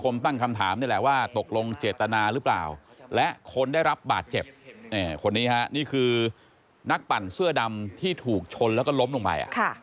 คนนี้ค่ะนี่คือนักปั่นเสื้อดำที่ถูกชนแล้วก็ล้มลงไป